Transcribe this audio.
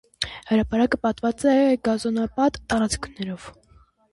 Հրապարակը պատված է գազոնապատ տարածքներով։